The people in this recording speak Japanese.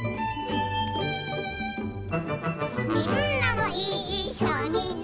「みんなもいっしょにね」